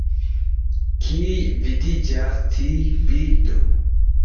Kie vidiĝas tiu bildo?